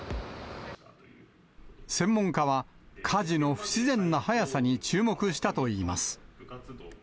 専門家は火事の不自然な早さに注目したといいます。